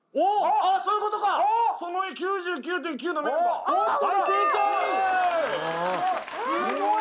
ああそういうことかすごい！